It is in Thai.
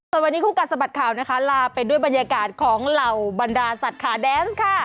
ส่วนวันนี้คู่กัดสะบัดข่าวนะคะลาไปด้วยบรรยากาศของเหล่าบรรดาสัตว์ขาแดนส์ค่ะ